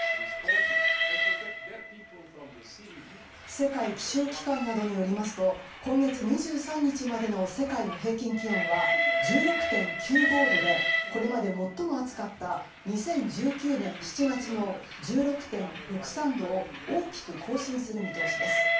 世界気象機関などによりますと今月２３日にまでの世界の平均気温は１６．９５度でこれまで最も暑かった２０１９年７月の１６．６３度を大きく更新する見通しです。